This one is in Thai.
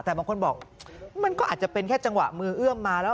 แต่บางคนบอกมันก็อาจจะเป็นแค่จังหวะมือเอื้อมมาแล้ว